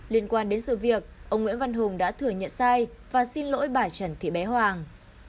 liên quan đến sự việc ông nguyễn văn hùng đã thừa nhận sai và xin lỗi bà trần thị bé hoàng